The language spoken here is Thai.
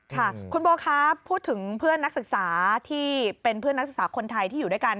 ค่ะคุณโบครับพูดถึงเพื่อนนักศึกษาที่เป็นเพื่อนนักศึกษาคนไทยที่อยู่ด้วยกัน